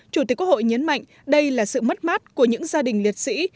chủ tịch quốc hội nhấn mạnh đây là sự mất mát của những gia đình liệt sĩ